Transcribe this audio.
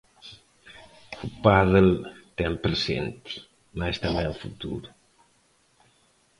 O pádel ten presente, mais tamén futuro.